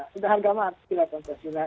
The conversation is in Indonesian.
sudah harga mati lah pancasila